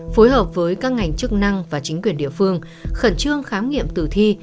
phối hợp với các ngành chức năng và chính quyền địa phương khẩn trương khám nghiệm tử thi